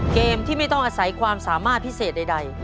เกมที่ไม่ต้องอาศัยความสามารถพิเศษใด